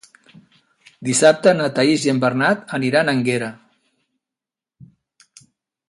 Dissabte na Thaís i en Bernat aniran a Énguera.